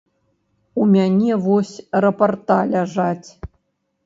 У мяне вось рапарта ляжаць.